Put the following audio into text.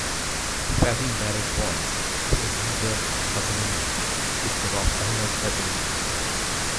Fathy married once, to Aziza Hassanein, sister of Ahmed Hassanein.